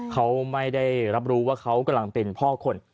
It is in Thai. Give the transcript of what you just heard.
เขาไม่ได้รับรู้ว่าเขากำลังเป็นพ่อคน